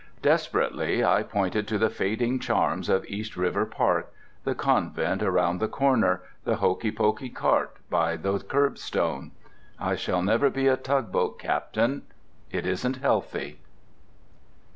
Desperately I pointed to the fading charms of East River Park—the convent round the corner, the hokey pokey cart by the curbstone. I shall never be a tugboat captain. It isn't healthy.